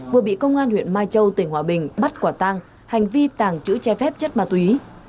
vừa bị công an huyện mai châu tỉnh hòa bình bắt quả tang hành vi tàng trữ che phép chất ma túy